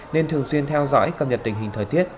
nên thường xuyên theo dõi cập nhật tình hình thời tiết